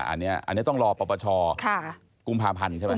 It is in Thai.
อันนี้ต้องรอปปชกุมภาพันธ์ใช่ไหม